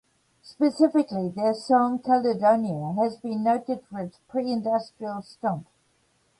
Specifically, their song "Caledonia" has been noted for its "pre-industrial stomp".